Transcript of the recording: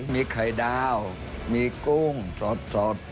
มีไข่ดาวมีกุ้งสด